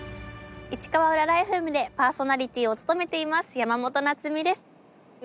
市川うららＦＭでパーソナリティーを務めています山本菜摘です。